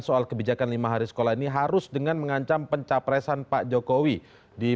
soal kebijakan lima hari sekolah ini harus dengan mengancam pencapresan pak jokowi di